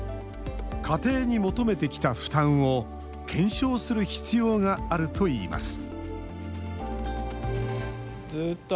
家庭に求めてきた負担を検証する必要があるといいます